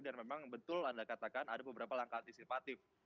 dan memang betul anda katakan ada beberapa langkah antisipatif